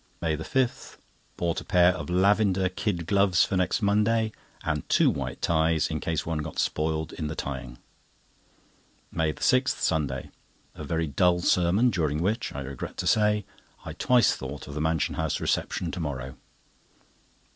MAY 5.—Bought a pair of lavender kid gloves for next Monday, and two white ties, in case one got spoiled in the tying. MAY 6, Sunday.—A very dull sermon, during which, I regret to say, I twice thought of the Mansion House reception to morrow.